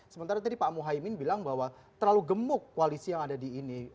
sementara tadi pak muhaymin bilang bahwa terlalu gemuk koalisi yang ada di ini